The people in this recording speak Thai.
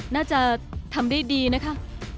น่าจะทำได้ดีนะคะ